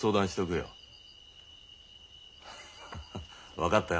分かったよ。